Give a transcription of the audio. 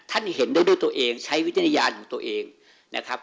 ท่านเห็นด้วยด้วยตัวเองใช้วิทยาลณ์ของตัวเองนะครับ